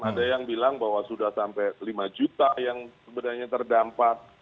ada yang bilang bahwa sudah sampai lima juta yang sebenarnya terdampak